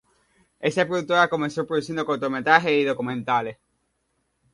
Esta productora comenzó produciendo cortometrajes y documentales.